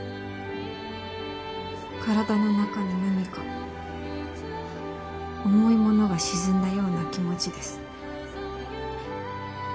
体の中の何か重いものが沈んだような気持ちです。